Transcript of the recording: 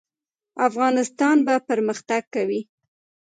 افغانستان به پرمختګ کوي